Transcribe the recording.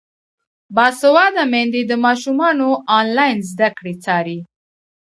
باسواده میندې د ماشومانو انلاین زده کړې څاري.